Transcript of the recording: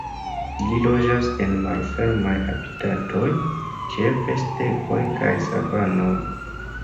Ili loĝas en malfermaj habitatoj, ĉefe stepoj kaj savanoj.